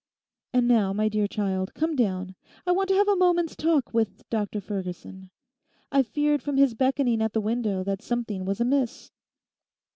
And now, my dear child, come down, I want to have a moment's talk with Dr Ferguson. I feared from his beckoning at the window that something was amiss.